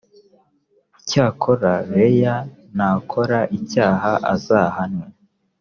icyakora leah nakora icyaha azahanwe